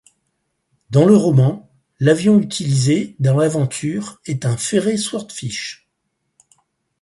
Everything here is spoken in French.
Dans le roman, l'avion utilisé dans l'aventure est un Fairey Swordfish.